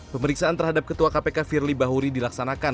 pemeriksaan terhadap ketua kpk firly bahuri dilaksanakan